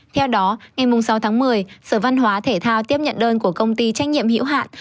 theo đó ngày sáu tháng một mươi sở văn hóa thể thao tiếp nhận đơn của công ty trách nhiệm hữu hạn